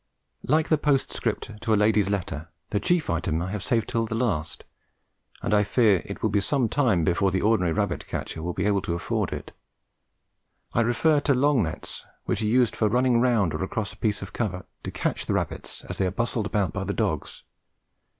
Like the postscript to a lady's letter, the chief item I have saved till the last, and I fear it will be some time before the ordinary rabbit catcher will be able to afford it. I refer to long nets, which are used for running round or across a piece of covert to catch the rabbits as they are bustled about by the dogs.